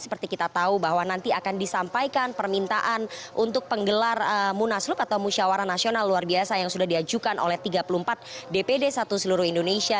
seperti kita tahu bahwa nanti akan disampaikan permintaan untuk penggelar munaslup atau musyawara nasional luar biasa yang sudah diajukan oleh tiga puluh empat dpd satu seluruh indonesia